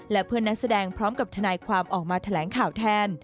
และเพื่อนนักแสดงพร้อมกับทนายความออกมาแถลงข่าวแทน